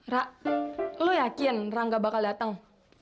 ra lo yakin rangga bakal dateng